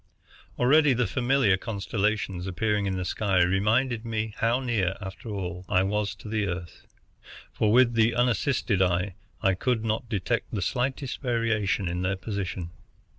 Already the familiar constellations appearing in the sky reminded me how near, after all, I was to the Earth, for with the unassisted eye I could not detect the slightest variation in their position.